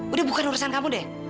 udah bukan urusan kamu deh